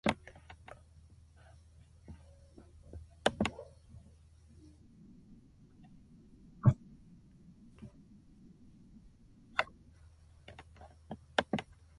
허술하게 박은 돌쩌귀가 떨어지면서 문은 덜커덕 열렸다.